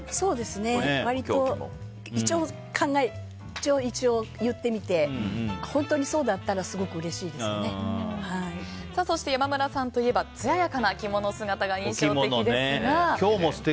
割と、一応言ってみて本当にそうだったらそして山村さんといえば艶やかな着物姿が今日も素敵。